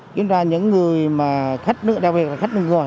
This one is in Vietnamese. kiểm tra những người mà khách đặc biệt là khách nước ngoài